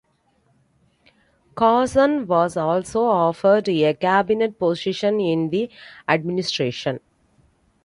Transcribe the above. Carson was also offered a cabinet position in the administration.